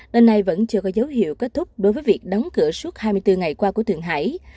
đến nay vẫn chưa có dấu hiệu kết thúc đối với việc đóng cửa suốt hai mươi bốn ngày qua của thượng hải